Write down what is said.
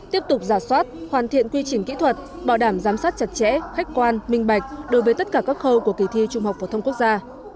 tiếp tục giả soát hoàn thiện quy trình kỹ thuật bảo đảm giám sát chặt chẽ khách quan minh bạch đối với tất cả các khâu của kỳ thi trung học phổ thông quốc gia